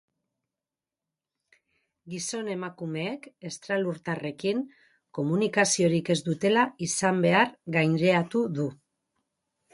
Gizon-emakumeek estralurtarrekin komunikaziorik ez dutela izan behar gainreatu du.